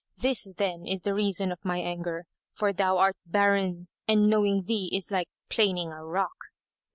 This, then, is the reason of my anger, for thou art barren; and knowing thee is like planing a rock."